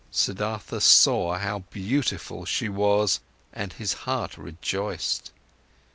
Siddhartha saw how beautiful she was, and his heart rejoiced.